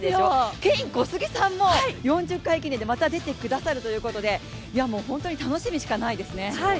ケイン・コスギさんも４０回記念でまた出てくださるということで、楽しみしかないです。